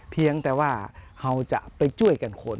เพียงแต่ว่าเขาจะไปช่วยกันคน